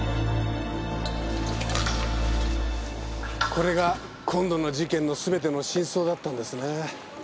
これが今度の事件の全ての真相だったんですね。